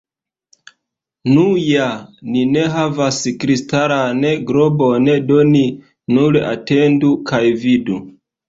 Nu ja, ni ne havas kristalan globon, do ni nur atendu kaj vidu.